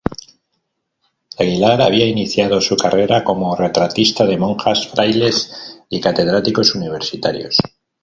Aguilar había iniciado su carrera como retratista de monjas, frailes y catedráticos universitarios.